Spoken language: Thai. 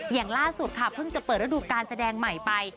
อย่างล่าสุดค่ะเพิ่งจะเปิดฤดูการแสดงใหม่ไป